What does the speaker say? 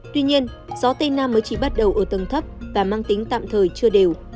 tuy nhiên gió tây nam mới chỉ bắt đầu ở tầng thấp và mang tính tạm thời chưa đều